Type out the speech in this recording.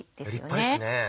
立派ですね。